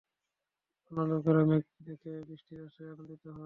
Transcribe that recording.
অন্য লোকেরা মেঘ দেখে বৃষ্টির আশায় আনন্দিত হয়।